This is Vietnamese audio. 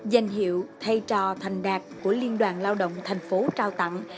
danh hiệu thầy trò thành đạt của liên đoàn lao động thành phố trao tặng